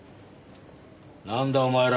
なんだお前ら。